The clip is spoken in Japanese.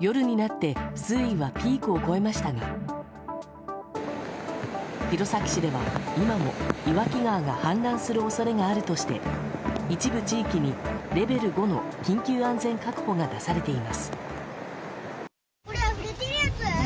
夜になって水位はピークを越えましたが弘前市では今も、岩木川が氾濫する恐れがあるとして一部地域にレベル５の緊急安全確保が出されています。